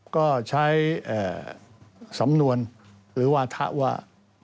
ก็ใช้สำนวนหรือวาถะว่า